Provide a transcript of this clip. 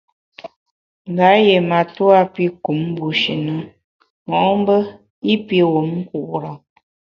Mba yié matua pi kum bushi na mo’mbe i pi wum nkure.